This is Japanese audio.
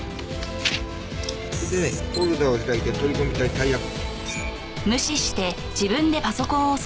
それでねフォルダを開いて取り込みたいタイヤ痕。